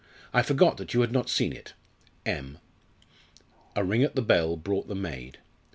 I forgot that you had not seen it. M." A ring at the bell brought the maid.